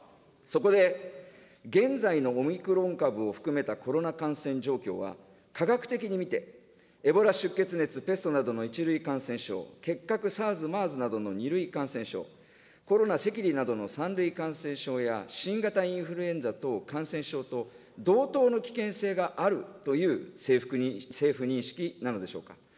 そこで、現在のオミクロン株を含めたコロナ感染状況は、科学的に見て、エボラ出血熱、ペストなどの１類感染症、結核、ＳＡＲＳ、ＭＥＲＳなどの２類感染症、コロナ、赤痢などの３類感染症や新型インフルエンザ等感染症と同等の危険性があるという政府認識なのでしょうか。